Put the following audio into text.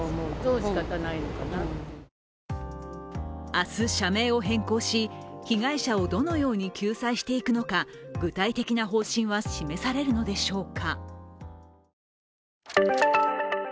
明日、社名を変更し、被害者をどのように救済していくのか、具体的な方針は示されるのでしょうか。